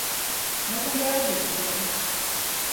Laikam gaidīju tevi.